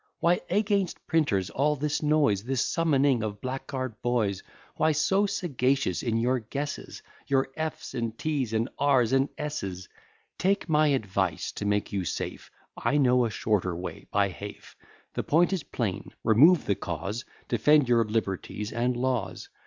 Why against printers all this noise? This summoning of blackguard boys? Why so sagacious in your guesses? Your effs, and tees, and arrs, and esses! Take my advice; to make you safe, I know a shorter way by half. The point is plain; remove the cause; Defend your liberties and laws.